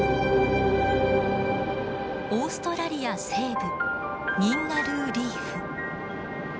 オーストラリア西部ニンガルーリーフ。